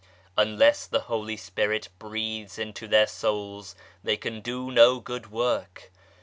Unless the Holy Spirit breathes into their souls, they can do no good work.